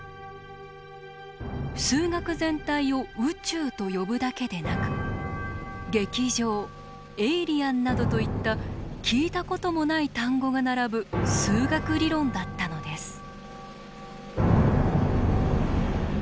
数学全体を「宇宙」と呼ぶだけでなく「劇場」「エイリアン」などといった聞いたこともない単語が並ぶ数学理論だったのです。